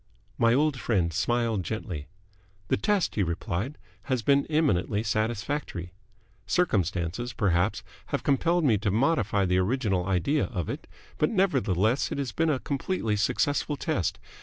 My old friend smiled gently. "The test," he replied, "has been eminently satisfactory. Circumstances, perhaps, have compelled me to modify the original idea of it, but nevertheless it has been a completely successful test.